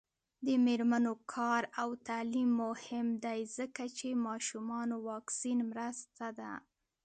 د میرمنو کار او تعلیم مهم دی ځکه چې ماشومانو واکسین مرسته ده.